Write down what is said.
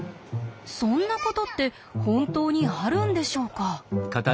そんなことって本当にあるんでしょうか？